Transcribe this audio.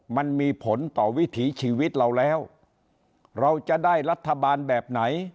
มันมีผลต่อวิถีชีวิตเราแล้วเราจะได้รัฐบาลแบบไหน